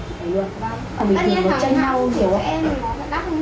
các em có phải đắp không